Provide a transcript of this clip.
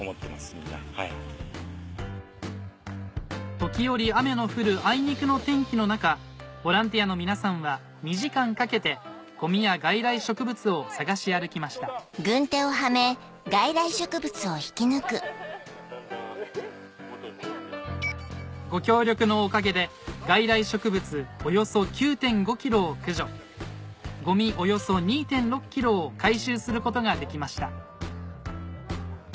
時折雨の降るあいにくの天気の中ボランティアの皆さんは２時間かけてゴミや外来植物を探し歩きましたご協力のおかげで外来植物およそ９．５ｋｇを駆除ゴミおよそ２．６ｋｇを回収することができました